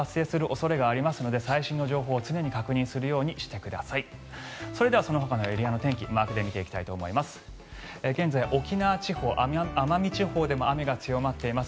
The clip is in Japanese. それではそのほかのエリアの天気マークで見ていきたいと思います。